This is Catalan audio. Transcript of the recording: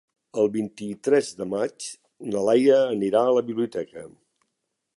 El vint-i-tres de maig na Laia anirà a la biblioteca.